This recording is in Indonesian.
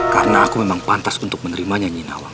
karena aku memang pantas untuk menerimanya nyinawang